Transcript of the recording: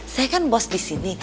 saya kan bos disini